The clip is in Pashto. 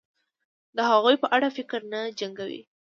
د هغوی په اړه فکر نه جنګوي